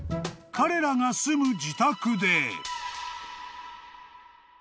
［彼らが住む自宅で］